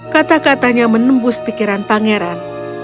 kata katanya menembus pikiran pangeran